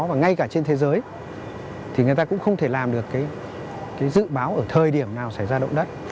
và ngay cả trên thế giới thì người ta cũng không thể làm được cái dự báo ở thời điểm nào xảy ra động đất